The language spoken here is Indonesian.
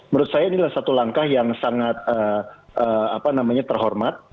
menurut saya ini adalah satu langkah yang sangat terhormat